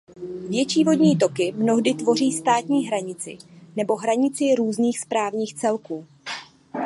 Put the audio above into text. Větší vodní toky mnohdy tvoří státní hranici nebo hranici různých správních celků.